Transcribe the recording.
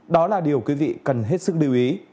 đó là điều quý vị cần hết sức lưu ý